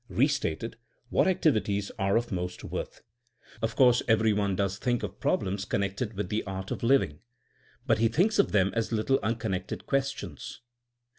Bestated: what activities are of most worth? Of course every one does think of problems connected with the art of living. But he thinks of them as little unconnected questions.